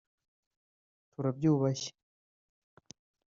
turabyubashye